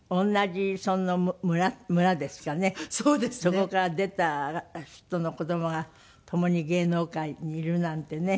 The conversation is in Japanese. そこから出た人の子供が共に芸能界にいるなんてね。